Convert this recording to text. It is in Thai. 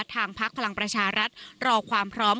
ทางพลักษณ์พลังประชารัฐรอความพร้อม